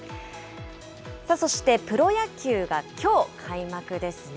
そしてプロ野球がきょう開幕ですね。